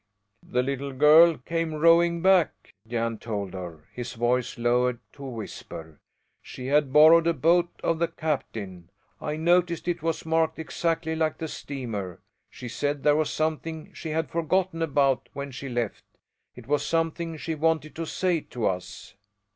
"The little girl came rowing back," Jan told her, his voice lowered to a whisper. "She had borrowed a boat of the captain. I noticed it was marked exactly like the steamer. She said there was something she had forgotten about when she left; it was something she wanted to say to us."